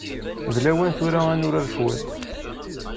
D lawan tura ad nurar cwiṭ.